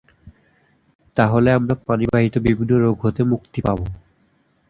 তাহলে আমরা পানি বাহিত বিভিন্ন রোগ হতে মুক্তি পাব।